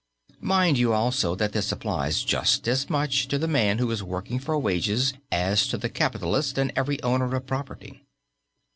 Mind you also that this applies just as much to the man who is working for wages as to the capitalist and every owner of property.